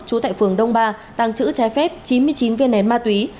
chú tại phường đông ba tăng chữ trái phép chín mươi chín viên nén ma túy